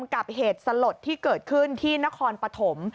กับเหตุสลดที่เกิดขึ้นที่นครปฐม